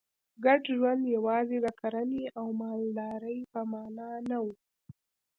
ګډ ژوند یوازې د کرنې او مالدارۍ په معنا نه و